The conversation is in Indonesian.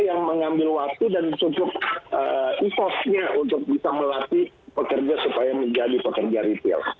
yang mengambil waktu dan cukup evosnya untuk bisa melatih pekerja supaya menjadi pekerja retail